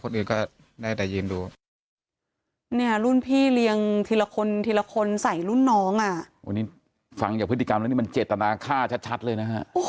คนอื่นก็ได้ได้ยินดู